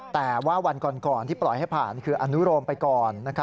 แต่ว่าวันก่อนที่ปล่อยให้ผ่านคืออนุโรมไปก่อน